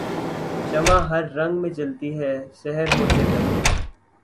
شمع ہر رنگ میں جلتی ہے سحر ہوتے تک